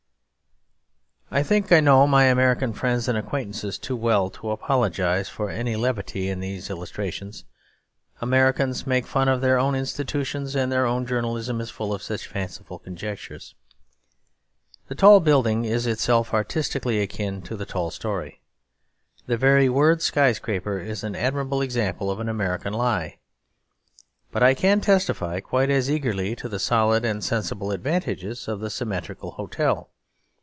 I think I know my American friends and acquaintances too well to apologise for any levity in these illustrations. Americans make fun of their own institutions; and their own journalism is full of such fanciful conjectures. The tall building is itself artistically akin to the tall story. The very word sky scraper is an admirable example of an American lie. But I can testify quite as eagerly to the solid and sensible advantages of the symmetrical hotel.